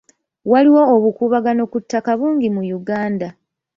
Waliwo obukuubagano ku ttaka bungi mu Uganda.